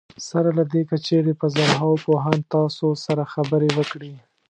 سره له دې که چېرې په زرهاوو پوهان تاسو سره خبرې وکړي.